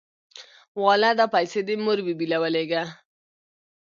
واله دا پيسې دې مور بي بي له ولېګه.